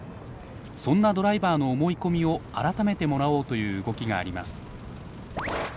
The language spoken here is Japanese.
そんなドライバーの思い込みを改めてもらおうという動きがあります。